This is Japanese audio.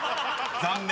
［残念。